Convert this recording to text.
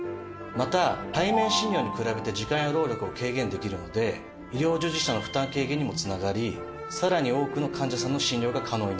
また対面診療に比べて時間や労力を軽減できるので医療従事者の負担軽減にもつながりさらに多くの患者さんの診療が可能になります。